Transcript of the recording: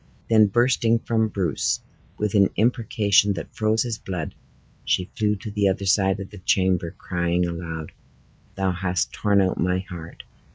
Then bursting from Bruce, with an imprecation that froze his blood, she flew to the other side of the chamber, crying aloud, "Thou hast torn out my heart!